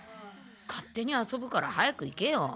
勝手に遊ぶから早く行けよ。